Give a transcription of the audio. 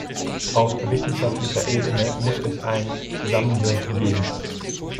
Auf wissenschaftlicher Ebene muss es ein Zusammenwirken geben.